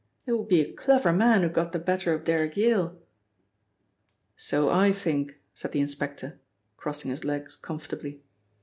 It would be a clever man who got the better of Derrick Yale." "So I think," said the inspector, crossing his legs comfortably.